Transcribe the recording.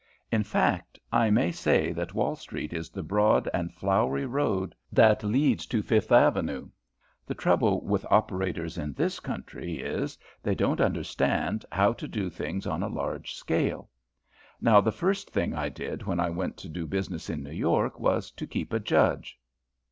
In fact, I may say that Wall Street is the broad and flowery road that leads to Fifth Avenue. The trouble with operators in this country is, they don't understand how to do things on a large scale. Now the first thing I did when I went to do business in New York, was to keep a judge."